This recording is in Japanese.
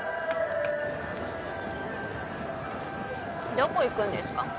どこ行くんですか？